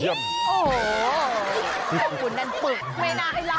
โอ้โหแม่ขุนนั้นปึกเมนาให้เล่า